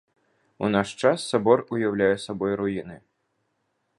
У наш час сабор уяўляе сабой руіны.